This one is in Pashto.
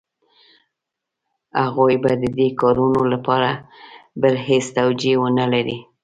هغوی به د دې کارونو لپاره بله هېڅ توجیه ونه لري.